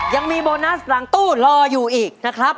ยังมีโบนัสหลังตู้รออยู่อีกนะครับ